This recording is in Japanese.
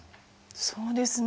そうですね。